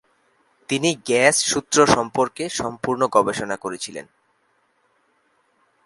তিনি গ্যাস সূত্র সম্পর্কে সম্পূর্ণ গবেষণা করেছিলেন।